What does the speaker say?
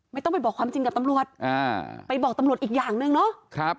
ไม่ต้องไปบอกความจริงกับตำรวจอ่าไปบอกตำรวจอีกอย่างหนึ่งเนาะ